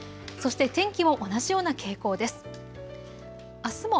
そして天気も同じような傾向です。